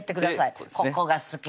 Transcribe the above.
ここが好き